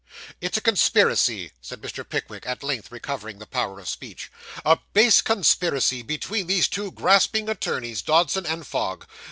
'It's a conspiracy,' said Mr. Pickwick, at length recovering the power of speech; 'a base conspiracy between these two grasping attorneys, Dodson and Fogg.